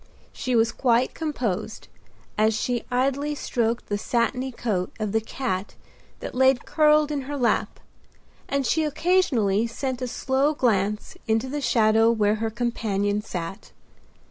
She was quite composed, as she idly stroked the satiny coat of the cat that lay curled in her lap, and she occasionally sent a slow glance into the shadow where her companion sat.